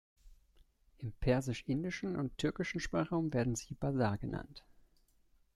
Im persisch-indischen und türkischen Sprachraum werden sie Basar genannt.